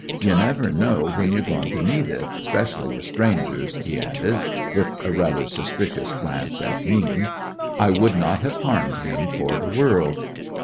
You never know when you 're goin' to need it, specially with strangers," he added, with a rather suspicious glance at me. I would not have harmed him for the world.